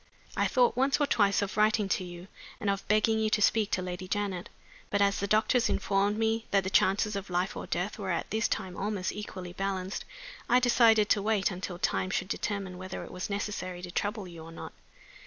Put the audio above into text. I thought once or twice of writing to you, and of begging you to speak to Lady Janet. But as the doctors informed me that the chances of life or death were at this time almost equally balanced, I decided to wait until time should determine whether it was necessary to trouble you or not.